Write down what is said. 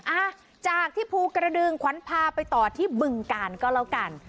อ่ะจากที่ภูกระดึงขวัญพาไปต่อที่บึงกาลก็แล้วกัน